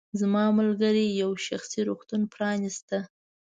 زما ملګرې یو شخصي روغتون پرانیسته.